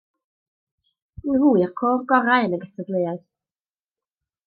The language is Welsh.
Nhw yw'r côr gorau yn y gystadleuaeth.